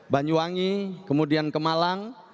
banyuwangi kemudian kemalang